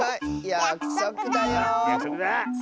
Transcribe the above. やくそくだ！